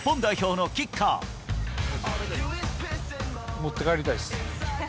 持って帰りたいっす。